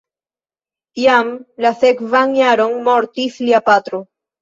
Jam la sekvan jaron mortis lia patro.